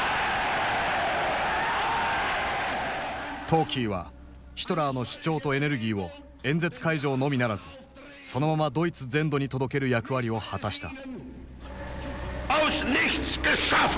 トーキーはヒトラーの主張とエネルギーを演説会場のみならずそのままドイツ全土に届ける役割を果たした。